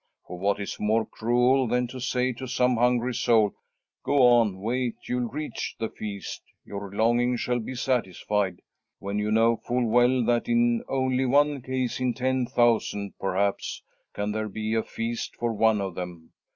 For what is more cruel than to say to some hungry soul, 'Go on, wait, you'll reach the feast, your longing shall be satisfied,' when you know full well that in only one case in ten thousand, perhaps, can there be a feast for one of them.